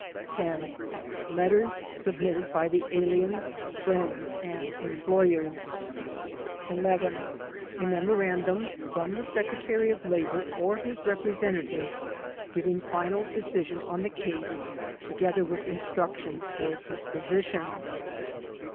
10. Letters submitted by the alien's friends and employers. ^ See Appendix II, D. 12 THE DEPORTATION CASES 11. A memorandum from the Secretary of Labor or his repre sentative giving final decision on the case together with instructions for disposition.